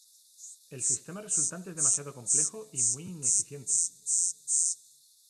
El sistema resultante es demasiado complejo y muy ineficiente.